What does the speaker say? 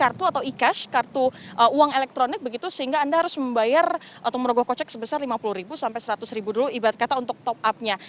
kartu atau e cash kartu uang elektronik begitu sehingga anda harus membayar atau merogoh kocek sebesar rp lima puluh sampai rp seratus dulu ibadah kata untuk top upnya